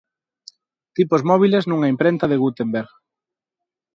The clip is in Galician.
Tipos móbiles nunha imprenta de Gutenberg.